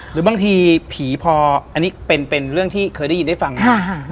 หรือบางทีผีพออันนี้เป็นเรื่องที่เคยได้ยินได้ฟังมา